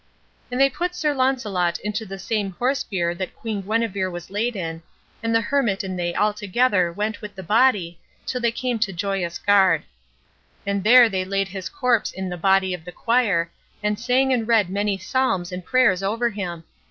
And they put Sir Launcelot into the same horse bier that Queen Guenever was laid in, and the hermit and they altogether went with the body till they came to Joyous Garde. And there they laid his corpse in the body of the quire, and sang and read many psalms and prayers over him.